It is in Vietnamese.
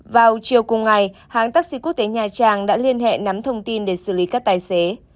vào chiều cùng ngày hãng taxi quốc tế nha trang đã liên hệ nắm thông tin để xử lý các tài xế